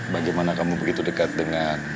bagaimana kamu begitu dekat dengan